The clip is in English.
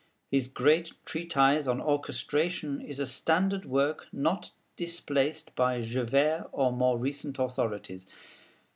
His great treatise on Orchestration is a standard work not displaced by Gevaert or more recent authorities.